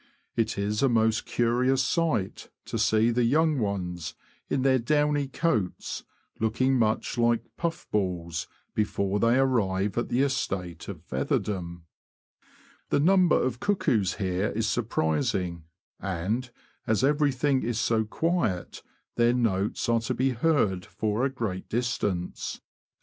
It is a most curious sight to see the young ones, in their downy coats, looking much like ''puff balls," before they arrive at the estate of featherdom. The number of cuckoos here is surprising, and, as THE BROAD DISTRICT IN SPRING. 217 everything is so quiet, their notes are to be heard for a great distance.